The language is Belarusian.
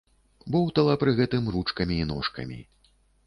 Боўтала пры гэтым ручкамі і ножкамі.